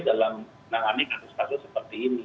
dalam menangani kasus kasus seperti ini